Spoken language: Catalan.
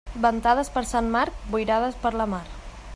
Ventades per Sant Marc, boirades per la mar.